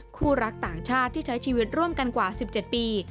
คู่รักต่างชาติที่ใช้ชีวิตร่วมกันกว่า๑๗ปี